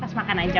kas makan aja